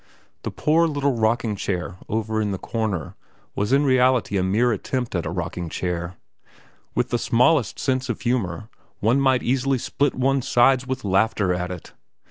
The poor little rocking chair over in the corner was in reality a mere attempt at a rocking chair; with the smallest sense of humour, one might easily split one's sides with laughter at it.